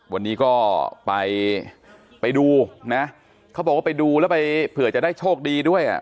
วันนี้ก็ไปไปดูนะเขาบอกว่าไปดูแล้วไปเผื่อจะได้โชคดีด้วยอ่ะ